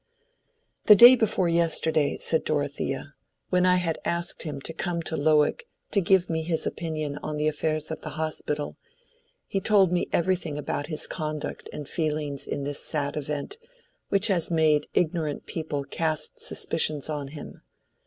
"The day before yesterday," said Dorothea, "when I had asked him to come to Lowick to give me his opinion on the affairs of the Hospital, he told me everything about his conduct and feelings in this sad event which has made ignorant people cast suspicions on him.